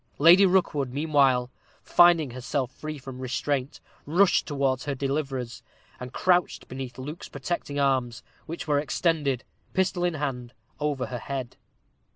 Lady Rookwood, meanwhile, finding herself free from restraint, rushed towards her deliverers, and crouched beneath Luke's protecting arms, which were extended, pistol in hand, over her head.